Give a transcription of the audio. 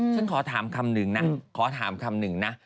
ฉันขอถามคำหนึ่งนะ